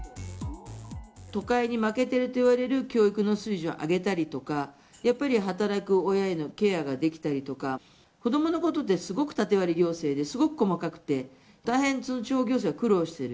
都会に負けてるといわれる教育の水準を上げたりとか、やっぱり働く親へのケアができたりとか、子どものことってすごく縦割り行政で、すごく細かくて、大変、地方行政は苦労している。